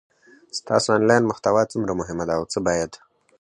ستاسو انلاین محتوا څومره مهمه ده او څه باید